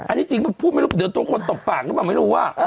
อันนี้จริงป่ะพูดไม่รู้เดี๋ยวตัวคนตกปากก็บอกไม่รู้ว่า